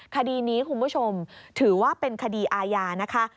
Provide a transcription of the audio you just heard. คดีนี้คุณผู้ชมถือว่าเป็นคดีอาญานะคะ